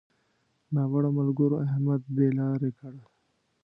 ناوړه ملګرو؛ احمد بې لارې کړ.